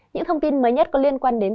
những thông tin mới nhất có liên quan đến